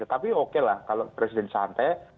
tetapi oke lah kalau presiden santai